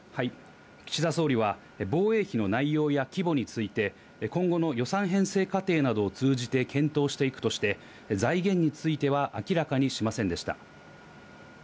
岸田総理は、防衛費の内容や規模について、今後の予算編成過程などを通じて検討していくとして、財源については明らかにしませんでした。